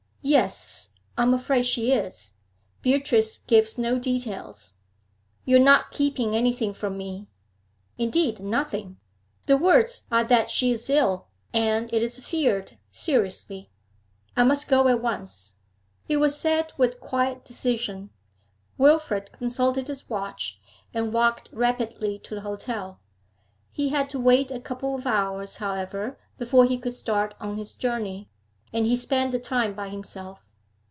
'Yes, I am afraid she is. Beatrice gives no details.' 'You are not keeping anything from me?' 'Indeed, nothing. The words are that she is ill, and, it is feared, seriously.' 'I must go at once.' It was said with quiet decision. Wilfrid consulted his watch, and walked rapidly to the hotel. He had to wait a couple of hours, however, before he could start on his journey, and he spent the time by himself.